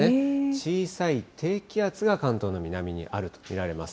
小さい低気圧が関東の南にあると見られます。